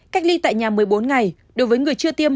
cách ly tại nhà một mươi bốn ngày đối với người chưa tiêm